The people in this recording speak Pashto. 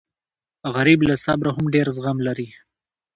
غریب له صبره هم ډېر زغم لري